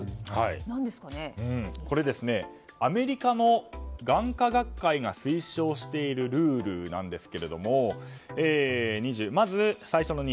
これはアメリカの眼科学会が推奨しているルールなんですがまず、最初の２０。